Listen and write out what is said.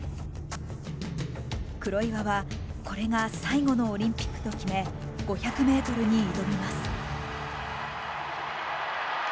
黒岩はこれが最後のオリンピックと決め５００ｍに挑みます。